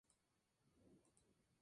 Su capital es la ciudad de Manresa.